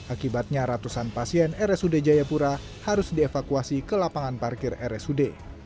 akibatnya ratusan pasien rsud jayapura harus dievakuasi ke lapangan parkir rsud